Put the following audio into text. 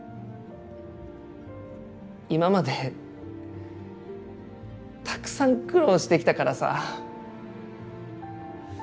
今までたくさん苦労してきたからさ。